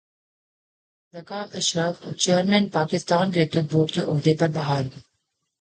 Zaka Ashraf chairman Pakistan cricket board کے عہدے پر بحال